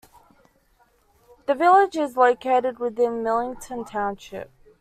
The village is located within Millington Township.